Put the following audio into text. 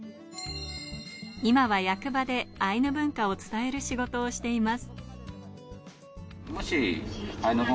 今は役場でアイヌ文化を伝える仕事をしています。